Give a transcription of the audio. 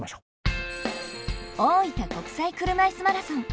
大分国際車いすマラソン。